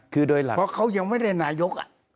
เพราะเขายังไม่ได้นายก